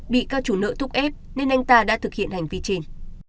bị các chủ nợ thúc ép nên anh ta đã thực hiện hành vi trên